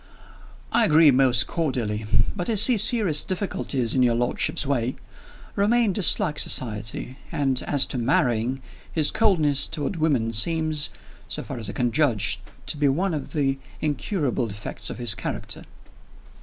"I agree most cordially. But I see serious difficulties in your lordship's way. Romayne dislikes society; and, as to marrying, his coldness toward women seems (so far as I can judge) to be one of the incurable defects of his character."